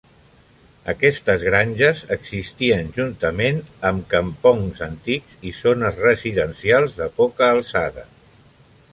Aquestes granges existien juntament amb kampongs antics i zones residencials de poca alçada.